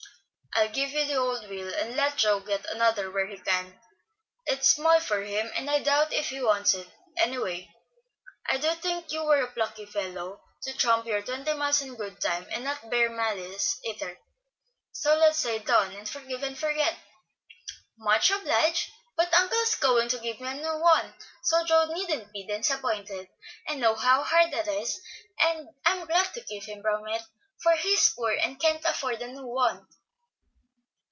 "I'll give you the old wheel, and let Joe get another where he can. It's small for him, and I doubt if he wants it, any way. I do think you were a plucky fellow to tramp your twenty miles in good time, and not bear malice either, so let's say 'Done,' and forgive and forget." "Much obliged, but uncle is going to give me a new one; so Joe needn't be disappointed. I know how hard that is, and am glad to keep him from it, for he's poor and can't afford a new one."